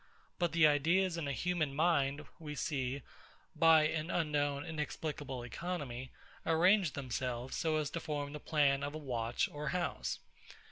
But the ideas in a human mind, we see, by an unknown, inexplicable economy, arrange themselves so as to form the plan of a watch or house.